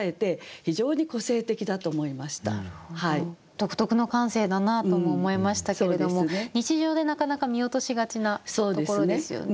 独特の感性だなとも思いましたけれども日常でなかなか見落としがちなところですよね。